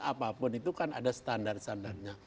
apapun itu kan ada standar standarnya